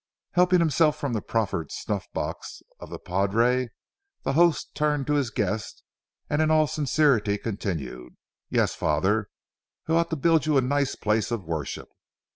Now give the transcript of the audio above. Helping himself from the proffered snuffbox of the padre, the host turned to his guest, and in all sincerity continued: "Yes, Father, I ought to build you a nice place of worship.